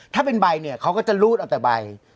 ถ้าเป็นใบเนี่ยเขาก็จะรูดเอาแต่ใบ